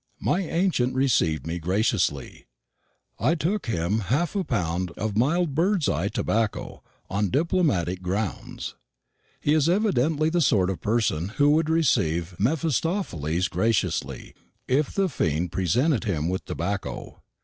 My ancient received me graciously. I took him half a pound of mild bird's eye tobacco, on diplomatic grounds. He is evidently the sort of person who would receive Mephistopheles graciously, if the fiend presented him with tobacco.